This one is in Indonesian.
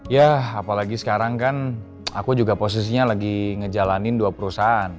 ya apalagi sekarang kan aku juga posisinya lagi ngejalanin dua perusahaan